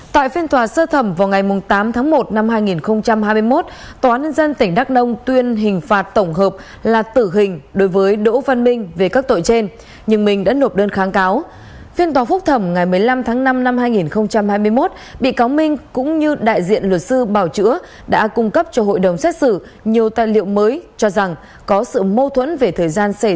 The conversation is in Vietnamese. tại phiên tòa sơ thẩm vào ngày tám tháng một năm hai nghìn hai mươi một tòa nân dân tỉnh đắk nông tuyên hình phạt tổng hợp là tử hình đối với đỗ văn minh về các tội trên